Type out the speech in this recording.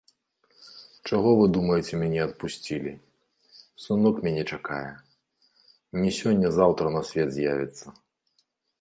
Чаго вы думаеце мяне адпусцілі, сынок мяне чакае, не сёння-заўтра на свет з'явіцца.